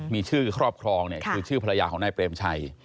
มีชื่อครอบครองเนี่ยคือชื่อภรรยาของนายเปรมชัย